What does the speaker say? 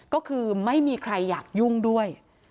ก็คือไม่มีใครอยากยุ่งด้วย